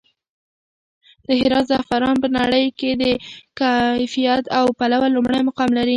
د هرات زعفران په نړۍ کې د کیفیت له پلوه لومړی مقام لري.